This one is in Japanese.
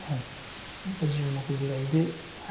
これが１０目ぐらいで。